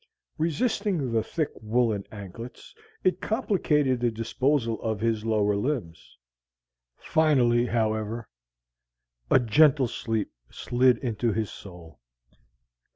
Resisting the thick woolen anklets, it complicated the disposal of his lower limbs. Finally, however, a gentle sleep "slid into his soul."